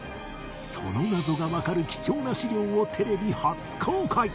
その謎がわかる貴重な史料をテレビ初公開